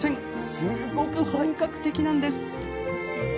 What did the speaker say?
すごく本格的なんです。